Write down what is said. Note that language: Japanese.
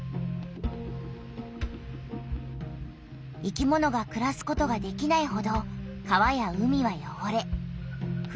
生きものがくらすことができないほど川や海はよごれふ